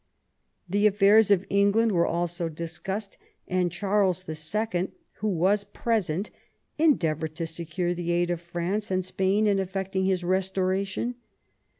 The afiFairs of England were also discussed, and Charles II., who was present, endeavoured to secure the aid of France and Spain in effecting his restoration.